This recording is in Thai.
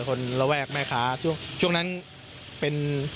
คนระแวกแม่ค้าช่วงช่วงนั้นเป็น